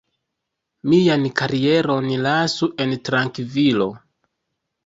Mian karieron lasu en trankvilo.